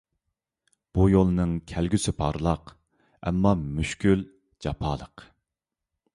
بۇ يولنىڭ كەلگۈسى پارلاق، ئەمما مۈشكۈل، جاپالىق.